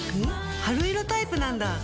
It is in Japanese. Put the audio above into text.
春色タイプなんだ。